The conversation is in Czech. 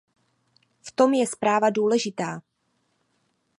V tom je zpráva důležitá.